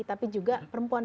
tapi juga perempuan